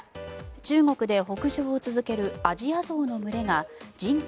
中国で北上を続けるアジアゾウの群れが人口